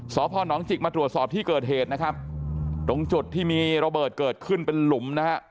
สพนจิกมาตรวจสอบที่เกิดเหตุนะครับตรงจุดที่มีระเบิดเกิดขึ้นเป็นหลุมนะฮะ